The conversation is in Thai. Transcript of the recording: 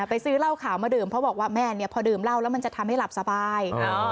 ซื้อเหล้าขาวมาดื่มเพราะบอกว่าแม่เนี่ยพอดื่มเหล้าแล้วมันจะทำให้หลับสบาย